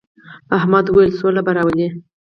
احمد وويل: سوله به راولې.